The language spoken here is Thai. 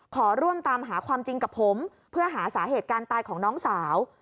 ขอร่วมตามหาความจริงกับผมเพื่อหาสาเหตุการตายของน้องสาว